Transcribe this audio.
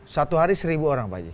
satu hari seribu orang pak haji